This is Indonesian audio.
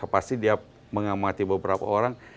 pasti dia mengamati beberapa orang